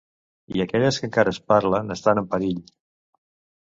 I aquelles que encara es parlen estan en perill.